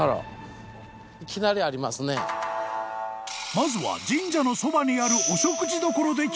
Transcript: ［まずは神社のそばにある］